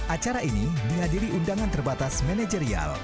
acara ini dihadiri undangan terbatas manajerial